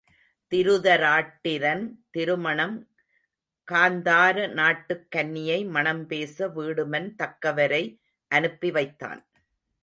திருதராட்டிரன் திருமணம் காந்தார நாட்டுக் கன்னியை மணம் பேச வீடுமன் தக்கவரை அனுப்பி வைத்தான்.